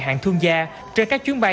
hạng thương gia trên các chuyến bay